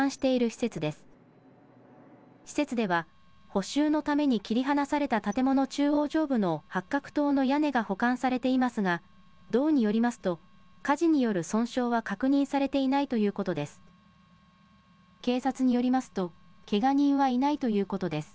施設では補修のために切り離された建物中央上部の八角塔の屋根が保管されていますが、道によりますと、火事による損傷は確認されていないということです。